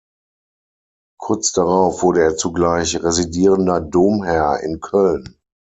Kurz darauf wurde er zugleich Residierender Domherr in Köln.